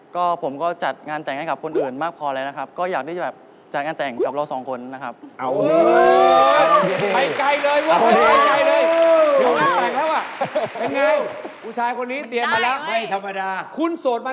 ก็ผมก็จัดงานแต่งให้กับคนอื่นมากพอแล้วนะครับก็อยากที่จะแบบจัดงานแต่งกับเราสองคนนะครับ